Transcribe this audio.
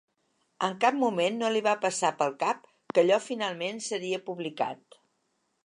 En cap moment no li va passar pel cap que allò finalment seria publicat.